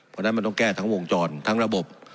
เพราะฉะนั้นมันต้องแก้ทั้งวงจรทั้งระบบ